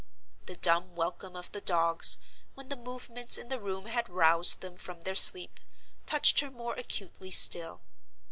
The dumb welcome of the dogs, when the movements in the room had roused them from their sleep, touched her more acutely still.